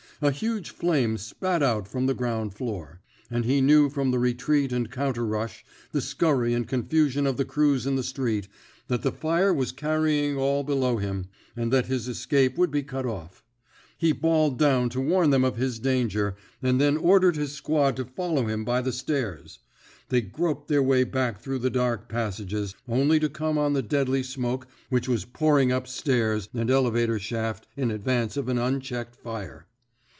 A huge flame spat out from the ground floor; and he knew from the re treat and counter rush, the scurry and con fusion of the crews in the street, that the fire was carrying all below him, and that his escape would be cut off. He bawled down to warn them of his danger, and then ordered his squad to follow him by the stairs. They groped their way back through the dark passages, only to come on the deadly smoke which was pouring up stairs and elevator shaft in advance of an unchecked fire.